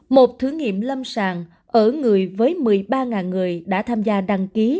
một thử nghiệm lâm sàng ở người với một mươi ba người đã tham gia đăng ký